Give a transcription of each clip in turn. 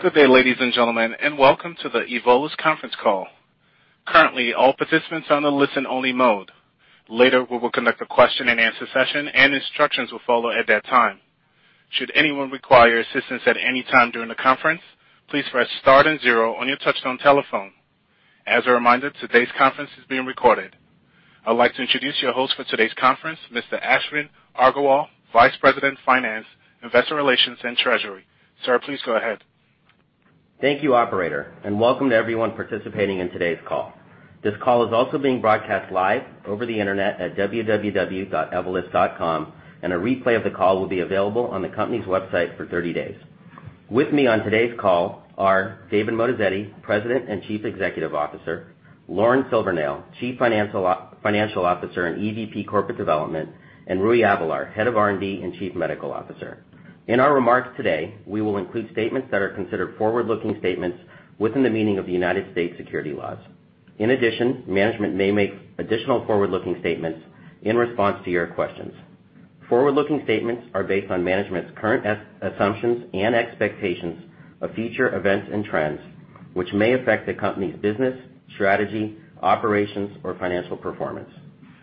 Good day, ladies and gentlemen. Welcome to the Evolus conference call. Currently, all participants are on a listen-only mode. Later, we will conduct a question and answer session. Instructions will follow at that time. Should anyone require assistance at any time during the conference, please press star and zero on your touch-tone telephone. As a reminder, today's conference is being recorded. I'd like to introduce your host for today's conference, Mr. Ashwin Agarwal, Vice President of Finance, Investor Relations, and Treasury. Sir, please go ahead. Thank you, operator. Welcome to everyone participating in today's call. This call is also being broadcast live over the internet at www.evolus.com. A replay of the call will be available on the company's website for 30 days. With me on today's call are David Moatazedi, President and Chief Executive Officer, Lauren Silvernail, Chief Financial Officer and EVP, Corporate Development, and Rui Avelar, Head of R&D and Chief Medical Officer. In our remarks today, we will include statements that are considered forward-looking statements within the meaning of the United States security laws. In addition, management may make additional forward-looking statements in response to your questions. Forward-looking statements are based on management's current assumptions and expectations of future events and trends, which may affect the company's business, strategy, operations, or financial performance.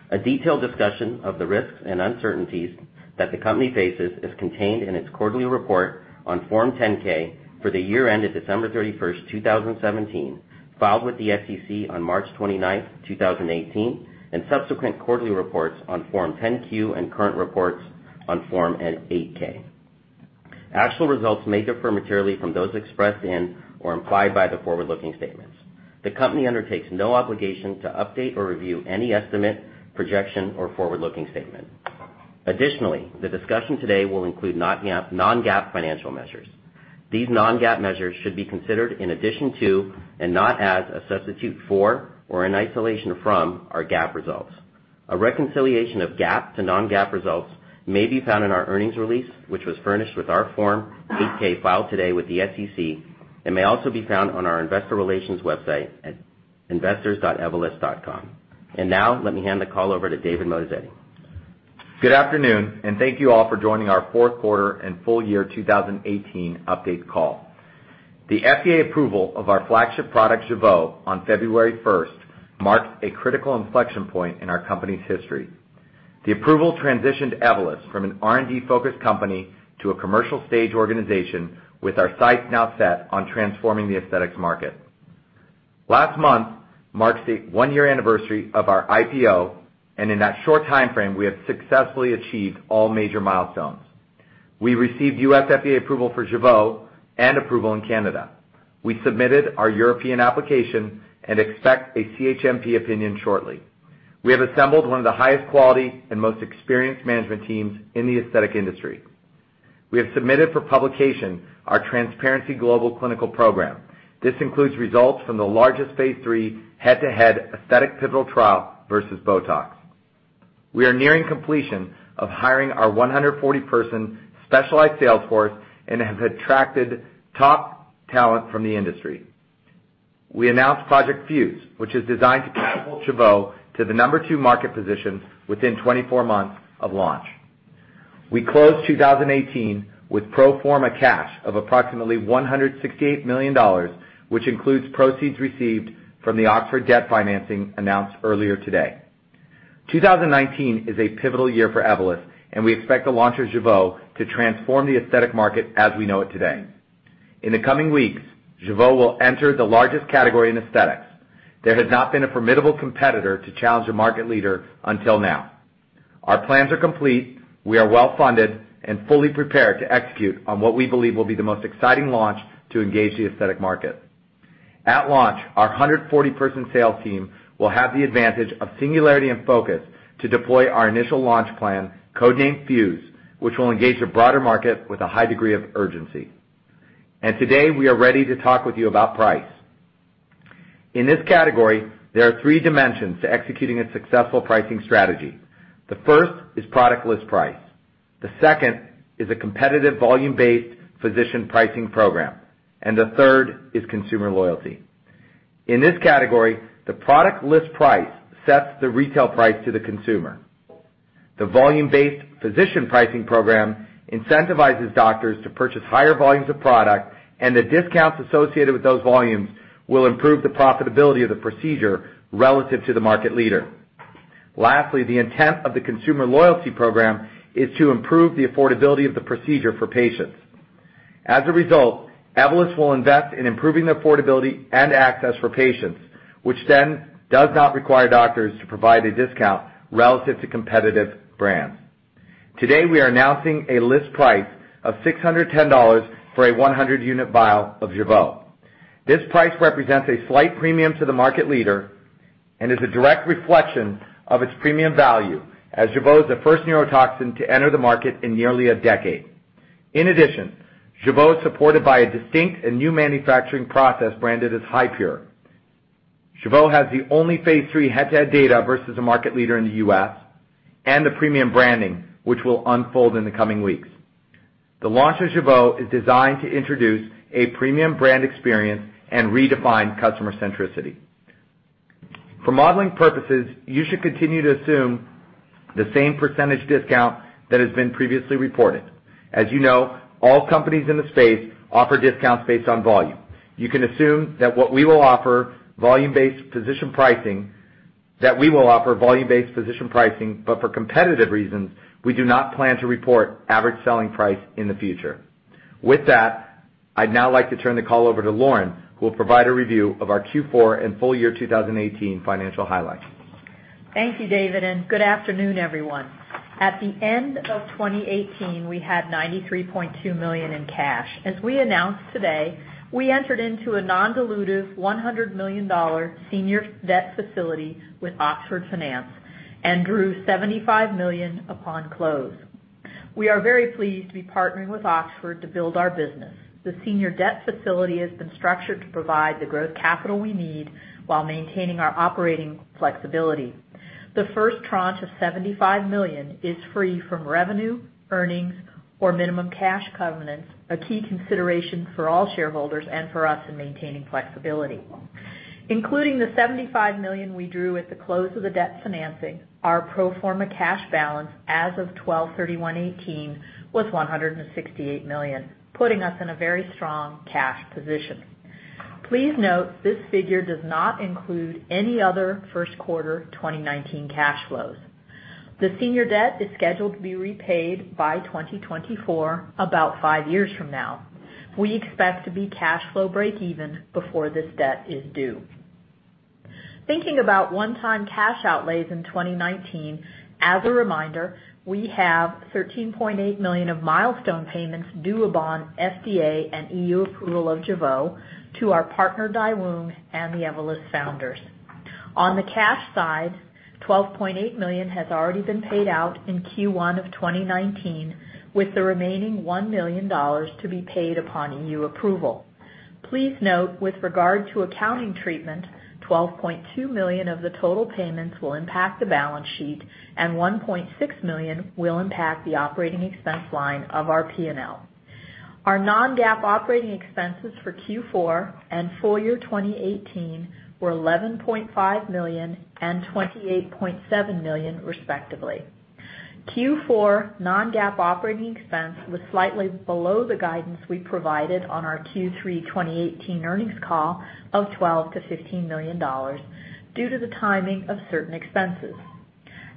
A detailed discussion of the risks and uncertainties that the company faces is contained in its quarterly report on Form 10-K for the year ended December 31st, 2017, filed with the SEC on March 29th, 2018, and subsequent quarterly reports on Form 10-Q and current reports on Form 8-K. Actual results may differ materially from those expressed in or implied by the forward-looking statements. The company undertakes no obligation to update or review any estimate, projection, or forward-looking statement. Additionally, the discussion today will include non-GAAP financial measures. These non-GAAP measures should be considered in addition to, and not as a substitute for, or in isolation from, our GAAP results. A reconciliation of GAAP to non-GAAP results may be found in our earnings release, which was furnished with our Form 8-K filed today with the SEC and may also be found on our investor relations website at investors.evolus.com. Now, let me hand the call over to David Moatazedi. Good afternoon. Thank you all for joining our fourth quarter and full year 2018 update call. The FDA approval of our flagship product, Jeuveau, on February 1st marks a critical inflection point in our company's history. The approval transitioned Evolus from an R&D-focused company to a commercial stage organization, with our sights now set on transforming the aesthetics market. Last month marks the one-year anniversary of our IPO. In that short timeframe, we have successfully achieved all major milestones. We received U.S. FDA approval for Jeuveau and approval in Canada. We submitted our European application and expect a CHMP opinion shortly. We have assembled one of the highest quality and most experienced management teams in the aesthetic industry. We have submitted for publication our TRANSPARENCY Global Clinical Program. This includes results from the largest phase III head-to-head aesthetic pivotal trial versus BOTOX. We are nearing completion of hiring our 140-person specialized sales force and have attracted top talent from the industry. We announced Project FUSE, which is designed to catapult Jeuveau to the number two market position within 24 months of launch. We closed 2018 with pro forma cash of approximately $168 million, which includes proceeds received from the Oxford debt financing announced earlier today. 2019 is a pivotal year for Evolus. We expect the launch of Jeuveau to transform the aesthetic market as we know it today. In the coming weeks, Jeuveau will enter the largest category in aesthetics. There has not been a formidable competitor to challenge the market leader until now. Our plans are complete. We are well-funded and fully prepared to execute on what we believe will be the most exciting launch to engage the aesthetic market. At launch, our 140-person sales team will have the advantage of singularity and focus to deploy our initial launch plan, codename FUSE, which will engage the broader market with a high degree of urgency. Today, we are ready to talk with you about price. In this category, there are three dimensions to executing a successful pricing strategy. The first is product list price, the second is a competitive volume-based physician pricing program, and the third is consumer loyalty. In this category, the product list price sets the retail price to the consumer. The volume-based physician pricing program incentivizes doctors to purchase higher volumes of product, and the discounts associated with those volumes will improve the profitability of the procedure relative to the market leader. Lastly, the intent of the consumer loyalty program is to improve the affordability of the procedure for patients. As a result, Evolus will invest in improving the affordability and access for patients, which then does not require doctors to provide a discount relative to competitive brands. Today, we are announcing a list price of $610 for a 100-unit vial of Jeuveau. This price represents a slight premium to the market leader and is a direct reflection of its premium value, as Jeuveau is the first neurotoxin to enter the market in nearly a decade. In addition, Jeuveau is supported by a distinct and new manufacturing process branded as Hi-Pure. Jeuveau has the only phase III head-to-head data versus a market leader in the U.S. and the premium branding, which will unfold in the coming weeks. The launch of Jeuveau is designed to introduce a premium brand experience and redefine customer centricity. For modeling purposes, you should continue to assume the same percentage discount that has been previously reported. As you know, all companies in the space offer discounts based on volume. You can assume that we will offer volume-based physician pricing, but for competitive reasons, we do not plan to report average selling price in the future. With that, I'd now like to turn the call over to Lauren, who will provide a review of our Q4 and full year 2018 financial highlights. Thank you, David, and good afternoon, everyone. At the end of 2018, we had $93.2 million in cash. As we announced today, we entered into a non-dilutive $100 million senior debt facility with Oxford Finance and drew $75 million upon close. We are very pleased to be partnering with Oxford to build our business. The senior debt facility has been structured to provide the growth capital we need while maintaining our operating flexibility. The first tranche of $75 million is free from revenue, earnings, or minimum cash covenants, a key consideration for all shareholders and for us in maintaining flexibility. Including the $75 million we drew at the close of the debt financing, our pro forma cash balance as of 12/31/2018 was $168 million, putting us in a very strong cash position. Please note this figure does not include any other first quarter 2019 cash flows. The senior debt is scheduled to be repaid by 2024, about five years from now. We expect to be cash flow breakeven before this debt is due. Thinking about one-time cash outlays in 2019, as a reminder, we have $13.8 million of milestone payments due upon FDA and EU approval of Jeuveau to our partner Daewoong and the Evolus founders. On the cash side, $12.8 million has already been paid out in Q1 of 2019, with the remaining $1 million to be paid upon EU approval. Please note, with regard to accounting treatment, $12.2 million of the total payments will impact the balance sheet and $1.6 million will impact the operating expense line of our P&L. Our non-GAAP operating expenses for Q4 and full year 2018 were $11.5 million and $28.7 million, respectively. Q4 non-GAAP operating expense was slightly below the guidance we provided on our Q3 2018 earnings call of $12 million-$15 million due to the timing of certain expenses.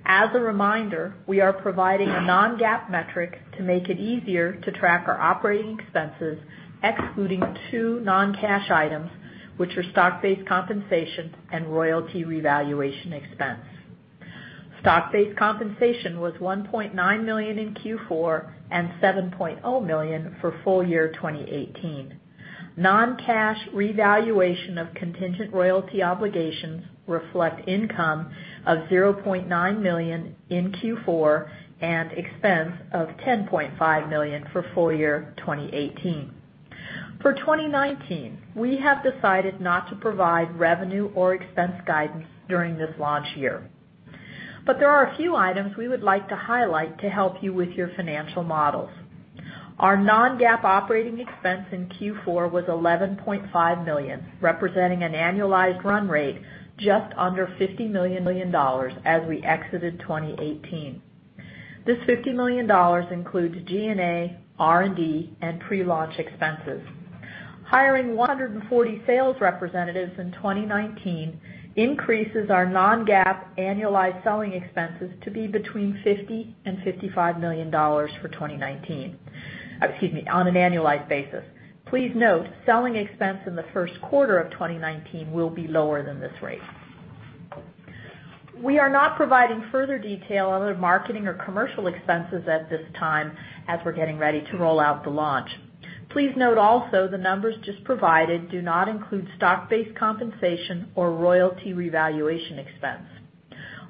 As a reminder, we are providing a non-GAAP metric to make it easier to track our operating expenses, excluding two non-cash items, which are stock-based compensation and royalty revaluation expense. Stock-based compensation was $1.9 million in Q4 and $7.0 million for full year 2018. Non-cash revaluation of contingent royalty obligations reflect income of $0.9 million in Q4 and expense of $10.5 million for full year 2018. For 2019, we have decided not to provide revenue or expense guidance during this launch year. There are a few items we would like to highlight to help you with your financial models. Our non-GAAP operating expense in Q4 was $11.5 million, representing an annualized run rate just under $50 million as we exited 2018. This $50 million includes G&A, R&D, and pre-launch expenses. Hiring 140 sales representatives in 2019 increases our non-GAAP annualized selling expenses to be between $50 million and $55 million for 2019. Excuse me, on an annualized basis. Please note, selling expense in the first quarter of 2019 will be lower than this rate. We are not providing further detail on our marketing or commercial expenses at this time as we're getting ready to roll out the launch. Please note also, the numbers just provided do not include stock-based compensation or royalty revaluation expense.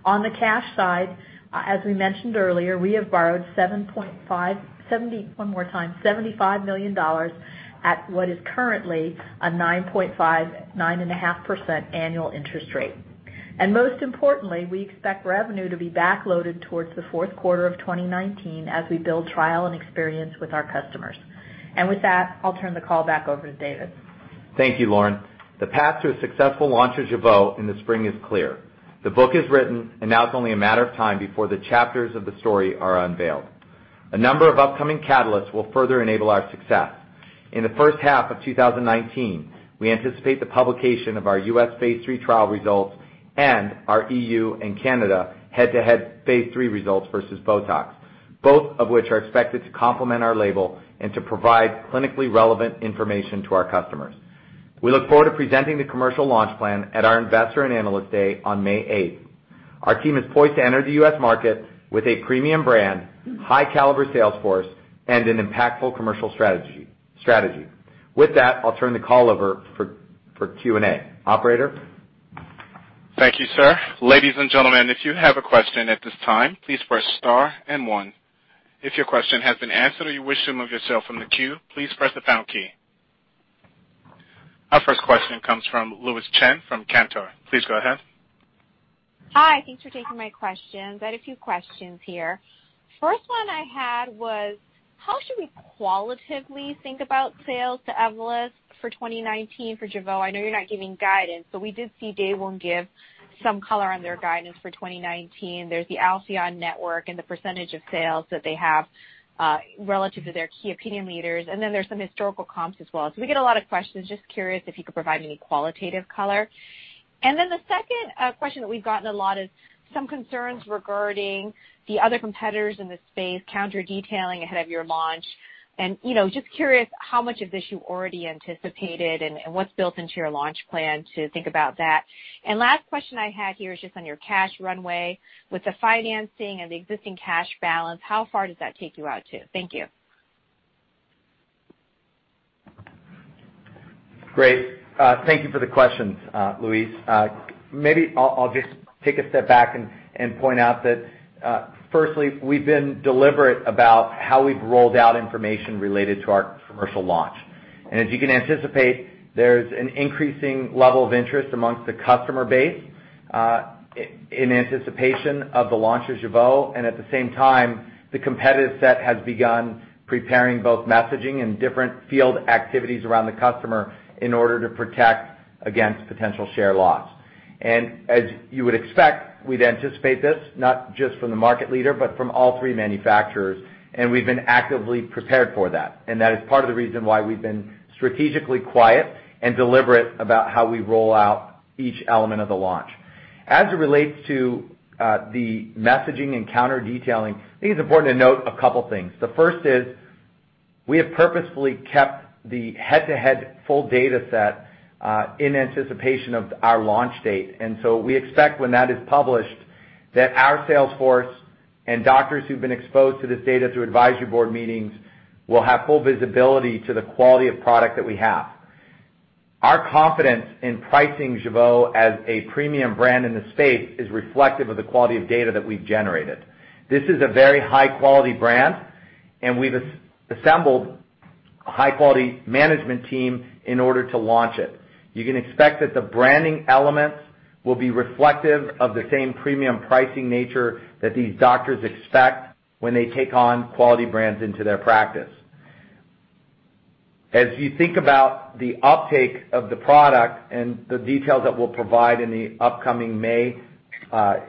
On the cash side, as we mentioned earlier, we have borrowed $75 million at what is currently a 9.5% annual interest rate. Most importantly, we expect revenue to be back-loaded towards the fourth quarter of 2019 as we build trial and experience with our customers. With that, I'll turn the call back over to David. Thank you, Lauren. The path to a successful launch of Jeuveau in the spring is clear. The book is written, and now it's only a matter of time before the chapters of the story are unveiled. A number of upcoming catalysts will further enable our success. In the first half of 2019, we anticipate the publication of our U.S. phase III trial results and our EU and Canada head-to-head phase III results versus BOTOX, both of which are expected to complement our label and to provide clinically relevant information to our customers. We look forward to presenting the commercial launch plan at our Investor and Analyst Day on May 8th. Our team is poised to enter the U.S. market with a premium brand, high-caliber sales force, and an impactful commercial strategy. With that, I'll turn the call over for Q&A. Operator? Thank you, sir. Ladies and gentlemen, if you have a question at this time, please press star and one. If your question has been answered or you wish to remove yourself from the queue, please press the pound key. Our first question comes from Louise Chen from Cantor. Please go ahead. Hi. Thanks for taking my questions. I had a few questions here. First one I had was, how should we qualitatively think about sales to Evolus for 2019 for Jeuveau? I know you're not giving guidance, but we did see Day One give some color on their guidance for 2019. There's the LCI Network and the percentage of sales that they have relative to their key opinion leaders, and then there's some historical comps as well. We get a lot of questions. Just curious if you could provide any qualitative color. The second question that we've gotten a lot is some concerns regarding the other competitors in this space counter-detailing ahead of your launch. Just curious how much of this you already anticipated, and what's built into your launch plan to think about that. Last question I had here is just on your cash runway, with the financing and the existing cash balance, how far does that take you out to? Thank you. Great. Thank you for the questions, Louise. Maybe I'll just take a step back and point out that, firstly, we've been deliberate about how we've rolled out information related to our commercial launch. As you can anticipate, there's an increasing level of interest amongst the customer base in anticipation of the launch of Jeuveau, at the same time, the competitive set has begun preparing both messaging and different field activities around the customer in order to protect against potential share loss. As you would expect, we'd anticipate this, not just from the market leader, but from all three manufacturers, we've been actively prepared for that. That is part of the reason why we've been strategically quiet and deliberate about how we roll out each element of the launch. As it relates to the messaging and counter-detailing, I think it's important to note a couple things. The first is we have purposefully kept the head-to-head full data set in anticipation of our launch date. We expect when that is published, that our sales force and doctors who've been exposed to this data through advisory board meetings will have full visibility to the quality of product that we have. Our confidence in pricing Jeuveau as a premium brand in the space is reflective of the quality of data that we've generated. This is a very high-quality brand, we've assembled a high-quality management team in order to launch it. You can expect that the branding elements will be reflective of the same premium pricing nature that these doctors expect when they take on quality brands into their practice. As you think about the uptake of the product and the details that we'll provide in the upcoming May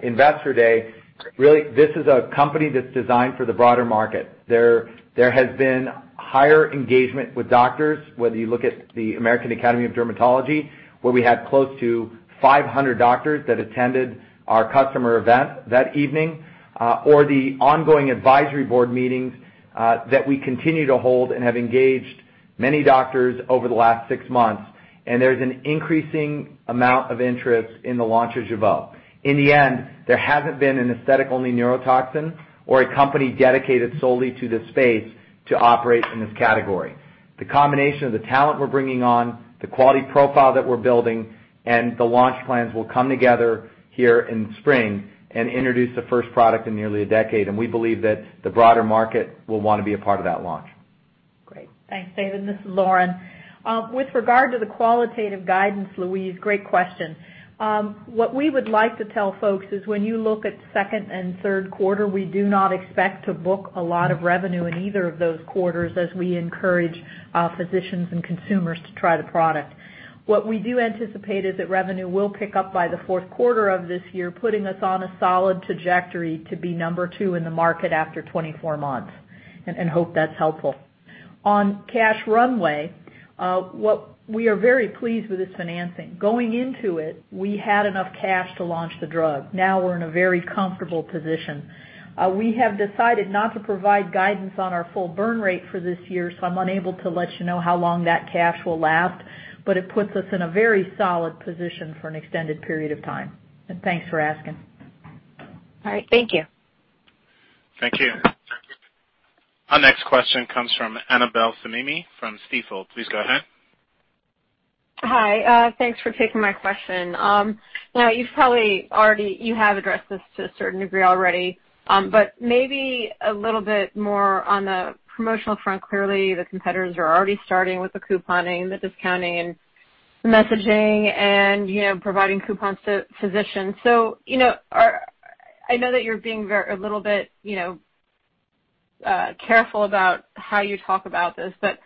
Investor Day, really, this is a company that's designed for the broader market. There has been higher engagement with doctors, whether you look at the American Academy of Dermatology, where we had close to 500 doctors that attended our customer event that evening, or the ongoing advisory board meetings, that we continue to hold and have engaged many doctors over the last six months. There's an increasing amount of interest in the launch of Jeuveau. In the end, there hasn't been an aesthetic-only neurotoxin or a company dedicated solely to this space to operate in this category. The combination of the talent we're bringing on, the quality profile that we're building, and the launch plans will come together here in spring and introduce the first product in nearly a decade. We believe that the broader market will want to be a part of that launch. Great. Thanks, David. This is Lauren. With regard to the qualitative guidance, Louise, great question. What we would like to tell folks is when you look at second and third quarter, we do not expect to book a lot of revenue in either of those quarters as we encourage physicians and consumers to try the product. What we do anticipate is that revenue will pick up by the fourth quarter of this year, putting us on a solid trajectory to be number two in the market after 24 months. Hope that's helpful. On cash runway, we are very pleased with this financing. Going into it, we had enough cash to launch the drug. Now we're in a very comfortable position. We have decided not to provide guidance on our full burn rate for this year. I'm unable to let you know how long that cash will last, but it puts us in a very solid position for an extended period of time. Thanks for asking. All right. Thank you. Thank you. Our next question comes from Annabel Samimy from Stifel. Please go ahead. Hi. Thanks for taking my question. You have addressed this to a certain degree already, but maybe a little bit more on the promotional front. Clearly, the competitors are already starting with the couponing, the discounting, and the messaging and providing coupons to physicians. I know that you're being a little bit careful about how you talk about this, but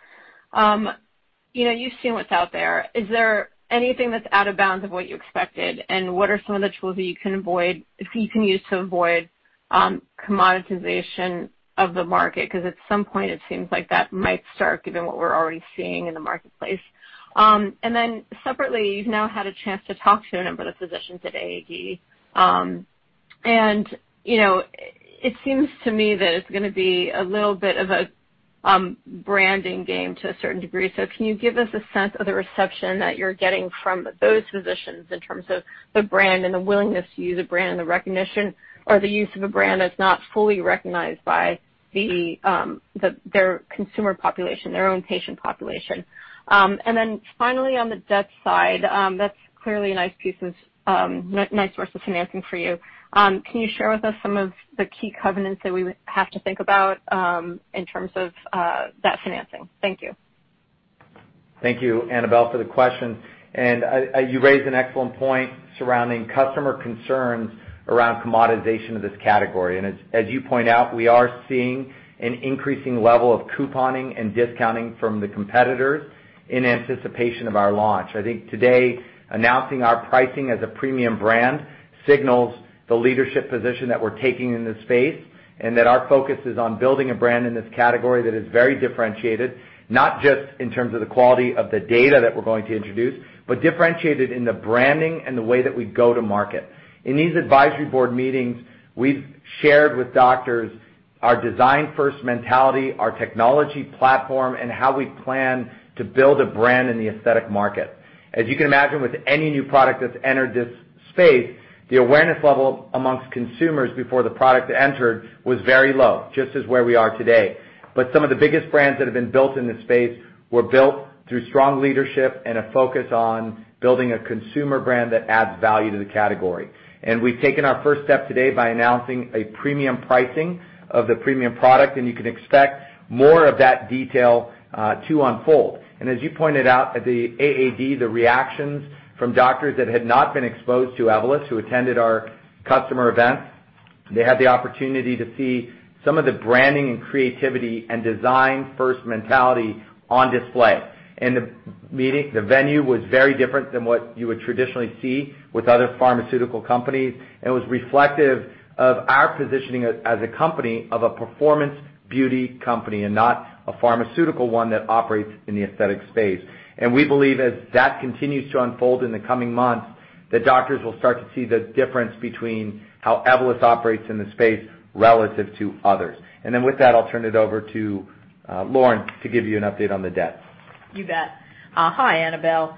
you've seen what's out there. Is there anything that's out of bounds of what you expected? What are some of the tools that you can use to avoid commoditization of the market? At some point, it seems like that might start given what we're already seeing in the marketplace. Separately, you've now had a chance to talk to a number of physicians at AAD. It seems to me that it's going to be a little bit of a branding game to a certain degree. Can you give us a sense of the reception that you're getting from those physicians in terms of the brand and the willingness to use a brand, the recognition or the use of a brand that's not fully recognized by their consumer population, their own patient population? Finally, on the debt side, that's clearly a nice source of financing for you. Can you share with us some of the key covenants that we would have to think about in terms of that financing? Thank you. Thank you, Annabel, for the question. You raised an excellent point surrounding customer concerns around commoditization of this category. As you point out, we are seeing an increasing level of couponing and discounting from the competitors in anticipation of our launch. I think today, announcing our pricing as a premium brand signals the leadership position that we're taking in this space, and that our focus is on building a brand in this category that is very differentiated, not just in terms of the quality of the data that we're going to introduce, but differentiated in the branding and the way that we go to market. In these advisory board meetings, we've shared with doctors our design first mentality, our technology platform, and how we plan to build a brand in the aesthetic market. As you can imagine, with any new product that's entered this space, the awareness level amongst consumers before the product entered was very low, just as where we are today. Some of the biggest brands that have been built in this space were built through strong leadership and a focus on building a consumer brand that adds value to the category. We've taken our first step today by announcing a premium pricing of the premium product, and you can expect more of that detail to unfold. As you pointed out at the AAD, the reactions from doctors that had not been exposed to Evolus, who attended our customer event, they had the opportunity to see some of the branding and creativity and design-first mentality on display. The meeting, the venue was very different than what you would traditionally see with other pharmaceutical companies. It was reflective of our positioning as a company of a performance beauty company and not a pharmaceutical one that operates in the aesthetic space. We believe as that continues to unfold in the coming months, that doctors will start to see the difference between how Evolus operates in the space relative to others. With that, I'll turn it over to Lauren to give you an update on the debt. You bet. Hi, Annabel.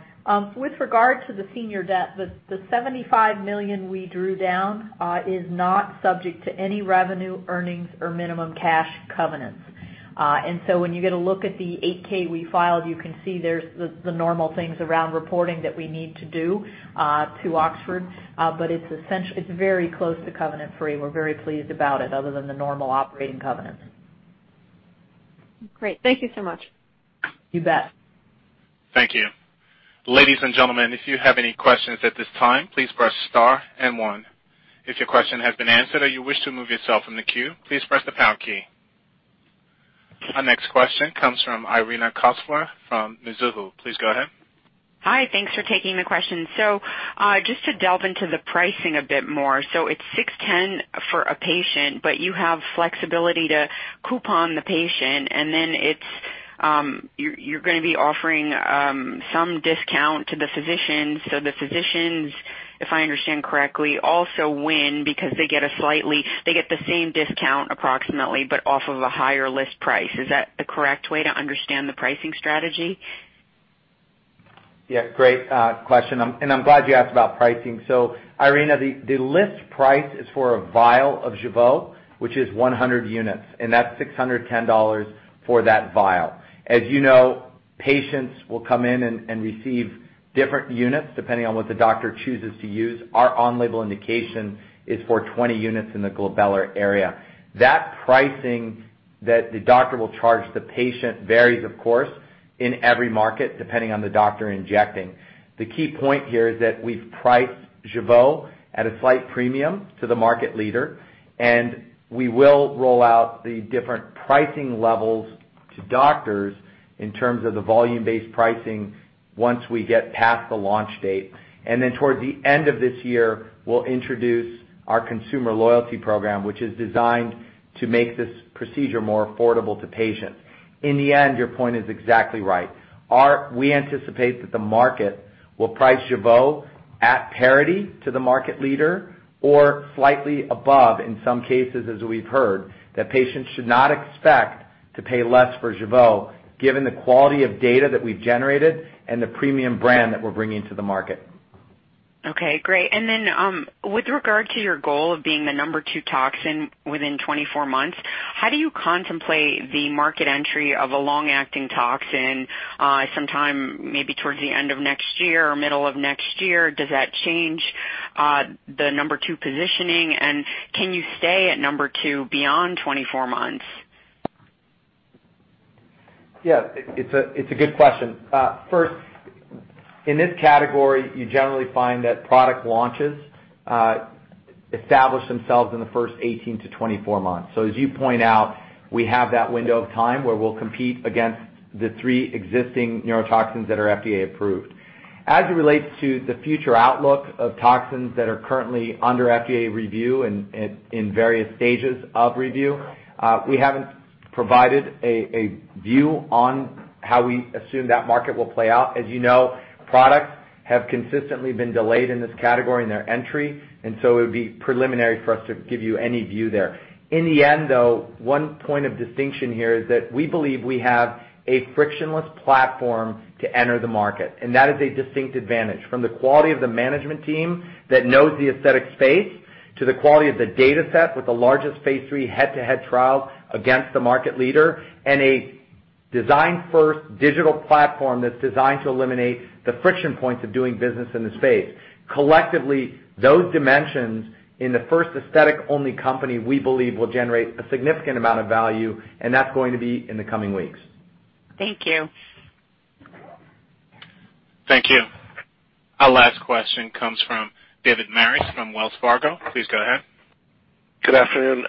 With regard to the senior debt, the $75 million we drew down is not subject to any revenue, earnings, or minimum cash covenants. When you get a look at the 8-K we filed, you can see there's the normal things around reporting that we need to do to Oxford, but it's very close to covenant-free. We're very pleased about it, other than the normal operating covenants. Great. Thank you so much. You bet. Thank you. Ladies and gentlemen, if you have any questions at this time, please press star and one. If your question has been answered or you wish to remove yourself from the queue, please press the pound key. Our next question comes from Irina Koffler from Mizuho. Please go ahead. Hi. Thanks for taking the question. Just to delve into the pricing a bit more. It's $610 for a patient, but you have flexibility to coupon the patient, and then you're going to be offering some discount to the physicians. The physicians, if I understand correctly, also win because they get the same discount approximately, but off of a higher list price. Is that the correct way to understand the pricing strategy? Great question. I'm glad you asked about pricing. Irina, the list price is for a vial of Jeuveau, which is 100 units, and that's $610 for that vial. As you know, patients will come in and receive different units depending on what the doctor chooses to use. Our on-label indication is for 20 units in the glabellar area. That pricing that the doctor will charge the patient varies, of course, in every market, depending on the doctor injecting. The key point here is that we've priced Jeuveau at a slight premium to the market leader, and we will roll out the different pricing levels to doctors in terms of the volume-based pricing once we get past the launch date. Towards the end of this year, we'll introduce our consumer loyalty program, which is designed to make this procedure more affordable to patients. In the end, your point is exactly right. We anticipate that the market will price Jeuveau at parity to the market leader or slightly above in some cases, as we've heard, that patients should not expect to pay less for Jeuveau given the quality of data that we've generated and the premium brand that we're bringing to the market. Great. With regard to your goal of being the number two toxin within 24 months, how do you contemplate the market entry of a long-acting toxin sometime maybe towards the end of next year or middle of next year? Does that change the number two positioning, and can you stay at number two beyond 24 months? It's a good question. First, in this category, you generally find that product launches establish themselves in the first 18 months-24 months. As you point out, we have that window of time where we'll compete against the three existing neurotoxins that are FDA approved. As it relates to the future outlook of toxins that are currently under FDA review and in various stages of review, we haven't provided a view on how we assume that market will play out. As you know, products have consistently been delayed in this category in their entry, it would be preliminary for us to give you any view there. In the end, though, one point of distinction here is that we believe we have a frictionless platform to enter the market, and that is a distinct advantage. From the quality of the management team that knows the aesthetic space, to the quality of the dataset with the largest phase III head-to-head trial against the market leader and a design-first digital platform that's designed to eliminate the friction points of doing business in the space. Collectively, those dimensions in the first aesthetic-only company, we believe will generate a significant amount of value, and that's going to be in the coming weeks. Thank you. Thank you. Our last question comes from David Maris from Wells Fargo. Please go ahead. Good afternoon.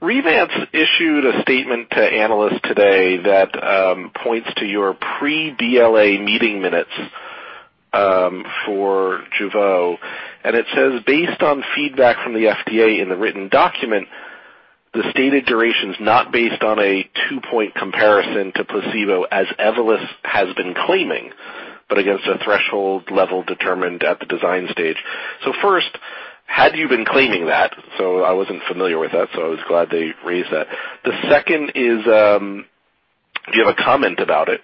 Revance issued a statement to analysts today that points to your pre-BLA meeting minutes for Jeuveau, and it says, based on feedback from the FDA in the written document, the stated duration is not based on a two-point comparison to placebo as Evolus has been claiming, but against a threshold level determined at the design stage. First, had you been claiming that? I wasn't familiar with that, so I was glad they raised that. The second is, do you have a comment about it?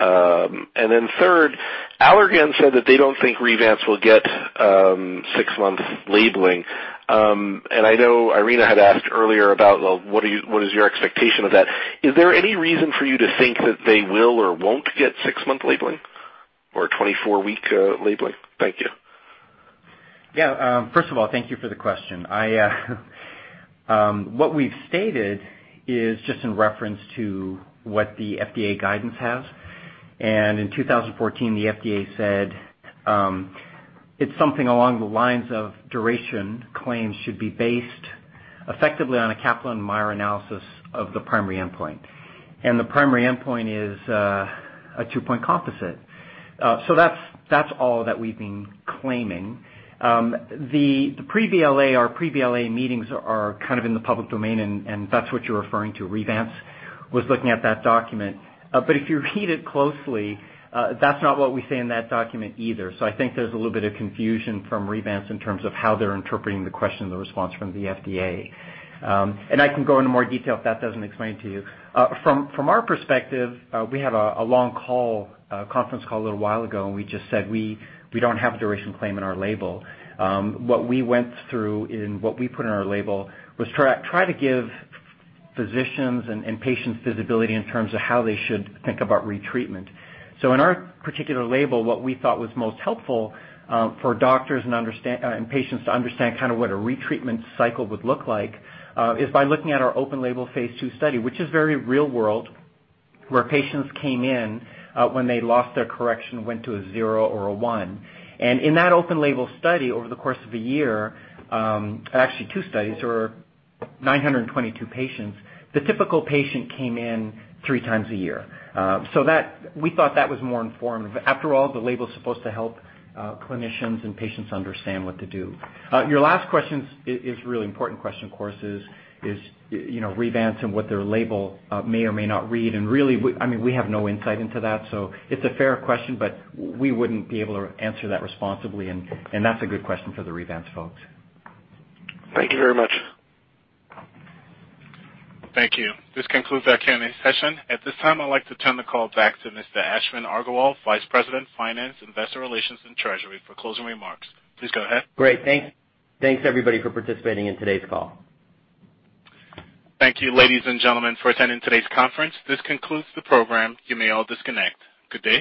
Third, Allergan said that they don't think Revance will get six-month labeling. I know Irina had asked earlier about what is your expectation of that. Is there any reason for you to think that they will or won't get six-month labeling or 24-week labeling? Thank you. Yeah. First of all, thank you for the question. What we've stated is just in reference to what the FDA guidance has. In 2014, the FDA said it's something along the lines of duration claims should be based effectively on a Kaplan-Meier analysis of the primary endpoint, and the primary endpoint is a two-point composite. That's all that we've been claiming. The pre-BLA, our pre-BLA meetings are kind of in the public domain, and that's what you're referring to. Revance was looking at that document. If you read it closely, that's not what we say in that document either. I think there's a little bit of confusion from Revance in terms of how they're interpreting the question and the response from the FDA. I can go into more detail if that doesn't explain it to you. From our perspective, we had a long conference call a little while ago, and we just said we don't have a duration claim in our label. What we went through and what we put in our label was try to give physicians and patients visibility in terms of how they should think about retreatment. In our particular label, what we thought was most helpful for doctors and patients to understand what a retreatment cycle would look like is by looking at our open-label phase II study, which is very real world, where patients came in when they lost their correction, went to a zero or a one. In that open label study, over the course of a year, actually two studies, there were 922 patients. The typical patient came in 3x a year. We thought that was more informative. After all, the label is supposed to help clinicians and patients understand what to do. Your last question is a really important question, of course, is Revance and what their label may or may not read, and really, we have no insight into that. It's a fair question, but we wouldn't be able to answer that responsibly. That's a good question for the Revance folks. Thank you very much. Thank you. This concludes our Q&A session. At this time, I'd like to turn the call back to Mr. Ashwin Agarwal, Vice President, Finance, Investor Relations, and Treasury, for closing remarks. Please go ahead. Great. Thanks, everybody, for participating in today's call. Thank you, ladies and gentlemen, for attending today's conference. This concludes the program. You may all disconnect. Good day.